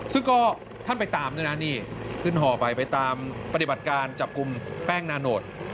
ซึ่งก็ท่านไปตามด้วยนะนี่ขึ้นห่อไปไปตามปฏิบัติการจับกลุ่มแป้งนาโนต